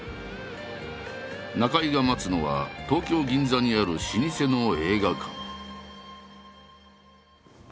中井が待つのは東京銀座にある老舗の映画館。